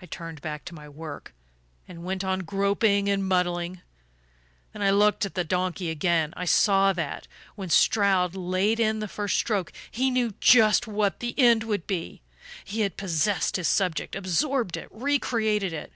"I turned back to my work, and went on groping and muddling; then I looked at the donkey again. I saw that, when Stroud laid in the first stroke, he knew just what the end would be. He had possessed his subject, absorbed it, recreated it.